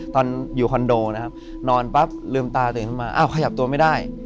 ตอนอยู่คอนโดนะครับนอนปั๊บลืมตาตื่นขึ้นมาอ้าวขยับตัวไม่ได้